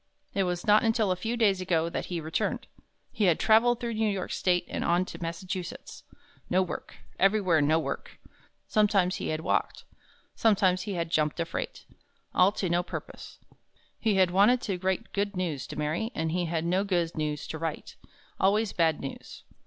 It was not until a few days ago that he returned. He had traveled through New York State and on to Massachusetts. No work everywhere no work! Sometimes he had walked. Sometimes he had jumped a freight. All to no purpose. He had wanted to write good news to Mary, and he had no good news to write. Always bad news.